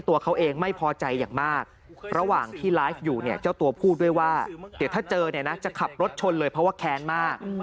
แต่เจ้าตัวพูดด้วยว่าเดี๋ยวถ้าเจอเนี่ยนะจะขับรถชนเลยเพราะว่าแค้นมาก